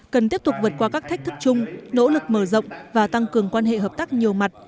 cần tiếp tục vượt qua các thách thức chung nỗ lực mở rộng và tăng cường quan hệ hợp tác nhiều mặt